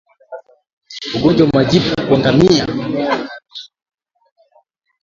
Ugonjwa wa majipu kwa Ngamia